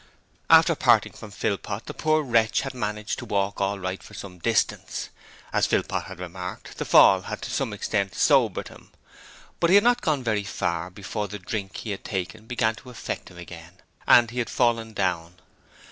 After parting from Philpot, the poor wretch had managed to walk all right for some distance. As Philpot had remarked, the fall had to some extent sobered him; but he had not gone very far before the drink he had taken began to affect him again and he had fallen down.